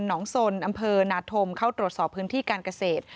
น้องสนอำเภอนาธมเข้าตรวจสอบพื้นที่การเกษตร